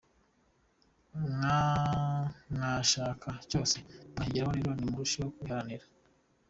mwashaka cyose mwakigeraho; rero nimurusheho kubiharanira.